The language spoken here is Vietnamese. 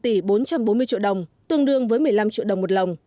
tỉ bốn trăm bốn mươi triệu đồng tương đương với một mươi năm triệu đồng một lồng